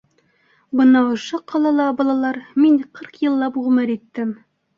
— Бына ошо ҡалала, балалар, мин ҡырҡ йыллап ғүмер иттем.